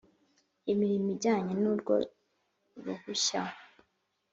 imirimo ijyanye n urwo ruhushya